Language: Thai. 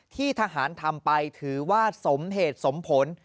ที่ทหารทำไปถือว่าสมเหตุสมผล